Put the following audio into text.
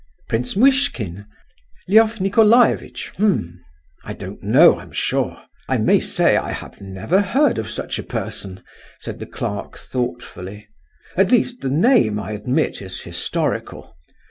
"Prince Muishkin? Lef Nicolaievitch? H'm! I don't know, I'm sure! I may say I have never heard of such a person," said the clerk, thoughtfully. "At least, the name, I admit, is historical.